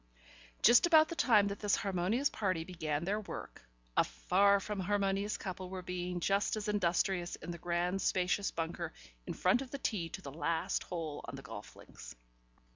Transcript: ... Just about the time that this harmonious party began their work, a far from harmonious couple were being just as industrious in the grand spacious bunker in front of the tee to the last hole on the golf links.